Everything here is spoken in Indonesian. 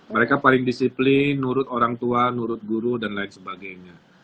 mereka paling disiplin nurut orang tua nurut guru dan lain sebagainya